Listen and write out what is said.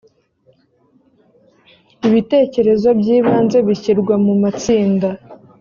ibitekerezo by'ibanze bishyirwa mu matsinda